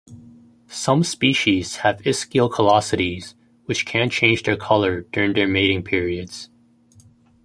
Some species have ischial callosities, which can change their colour during their mating periods.